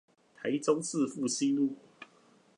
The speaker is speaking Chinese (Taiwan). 台中市復興路